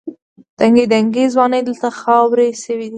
دنګې دنګې ځوانۍ دلته خاورې شوې دي.